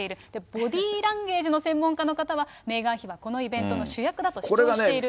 ボディーランゲージの専門家の方は、メーガン妃はこのイベントの主役だと主張していると。